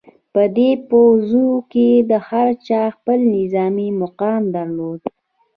په دې پوځونو کې هر چا خپل نظامي مقام درلود.